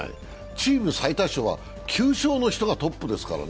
チーム最多勝は９勝の人がトップですからね。